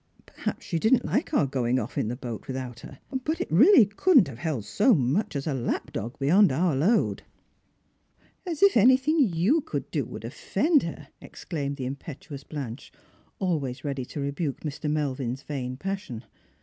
" Perhaps she didn' t like our going off in the boat without her; but it really couldn't have held so much as a lap dog beyond our load." " As if anything you could do would offend her !" exclaimed the impetuous Blanche, always ready to rebuke Mr. Melvin 's vain passion.